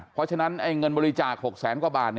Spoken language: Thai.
เพราะฉะนั้นเงินบริจาค๖แสนกว่าบาท